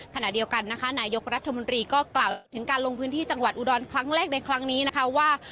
ขณะเดียวกันนะคะนายกรัฐมนตรีก็กล่าวถึงการลงพื้นที่จังหวัดอุดรครั้งแรกในครั้งนี้นะคะว่า